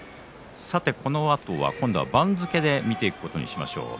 このあとは番付で見ていくことにしましょう。